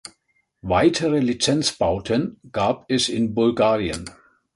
Weitere Lizenzbauten gab es in Bulgarien.